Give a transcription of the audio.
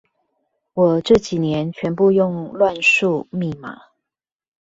我這幾年全部用亂數密碼